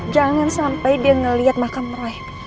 jangan sampai dia ngeliat makam roy